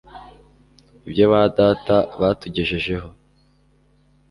ibyo ba data batugejejeho